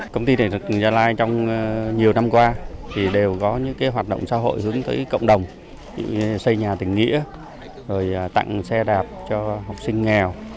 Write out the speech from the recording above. công ty điện lực gia lai trong nhiều năm qua thì đều có những hoạt động xã hội hướng tới cộng đồng xây nhà tình nghĩa rồi tặng xe đạp cho học sinh nghèo